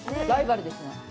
ライバルですね。